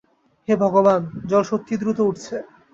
হে ভগবান, জল সত্যিই দ্রুত উঠছে।